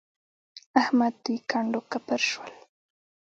احمد دوی کنډ او کپر شول.